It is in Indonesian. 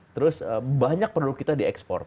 terus banyak produk kita diekspor